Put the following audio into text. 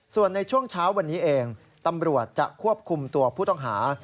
ส่วนในช่วงเช้าวันนี้เองตำรวจจะควบคุมตัวผู้ต้องหา